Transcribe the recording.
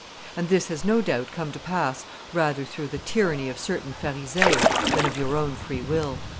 And this has no doubt come to pass rather through the tyranny of certain Pharisees than of your own will."